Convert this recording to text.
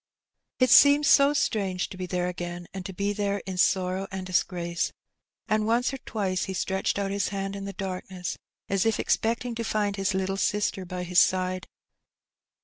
It seemed so strange to be there again, and to be there in sorrow and disgrace; and once or twice he stretched out his hand in the darkness as if expecting to find his little sister by his side.